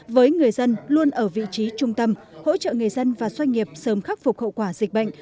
với người dân luôn ở vị trí trung tâm hỗ trợ người dân và doanh nghiệp sớm khắc phục hậu quả dịch bệnh